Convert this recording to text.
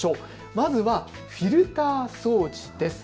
まずはフィルター掃除です。